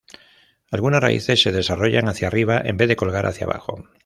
Algunas raíces se desarrollan hacia arriba en vez de colgar hacia abajo.